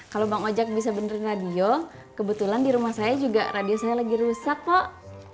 kalau bang ojek bisa benerin radio kebetulan di rumah saya juga radio saya lagi rusak kok